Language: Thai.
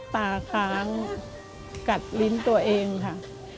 ตาค้างกัดลิ้นตัวเองค่ะ